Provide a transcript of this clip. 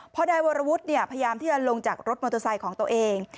พอนายวรวุฒิพยายามที่จะลงจากรถมอเตอร์ไซค์ของตัวเอง